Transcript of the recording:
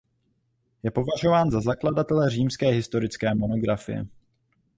Je považován za zakladatele římské historické monografie.